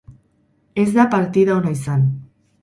Ez da partida ona izan.